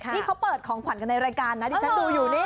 นี่เขาเปิดของขวัญกันในรายการนะที่ฉันดูอยู่นี่